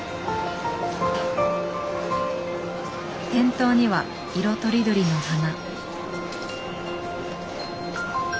店頭には色とりどりの花。